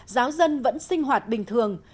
giáo dân vẫn sinh hoạt bình thường